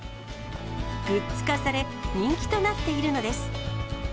グッズ化され、人気となっているのです。